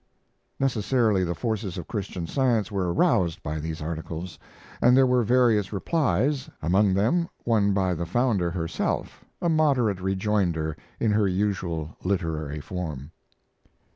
Necessarily, the forces of Christian Science were aroused by these articles, and there were various replies, among them, one by the founder herself, a moderate rejoinder in her usual literary form.